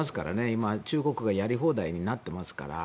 今、中国がやり放題になっていますから。